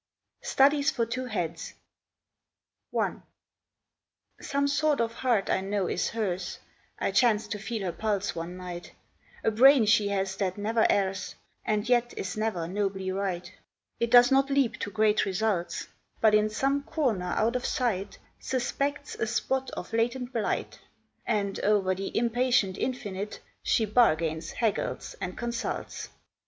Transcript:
STUDIES FOR TWO HEADS. I. Some sort of heart I know is hers, I chanced to feel her pulse one night; A brain she has that never errs, And yet is never nobly right; It does not leap to great results, But in some corner out of sight, Suspects a spot of latent blight, And, o'er the impatient infinite, She bargains, haggles, and consults.